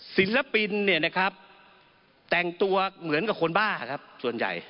ศิลปินเนี่ยนะครับแต่งตัวเหมือนกับคนบ้าครับส่วนใหญ่